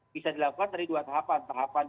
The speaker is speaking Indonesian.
bisa dilakukan dari dua tahapan tahapan